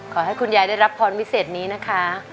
ขอให้คุณยายได้รับพรวิเศษนี้นะคะ